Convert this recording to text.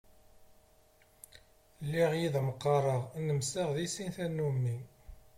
Lliɣ yid-m qqareɣ, nemseɣ di sin tannumi.